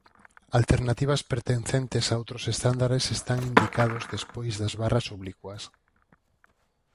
Alternativas pertencentes a outros estándares están indicados despois das barras oblicuas.